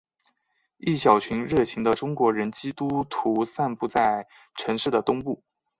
一小群热情的中国人基督徒散布在城市的东部。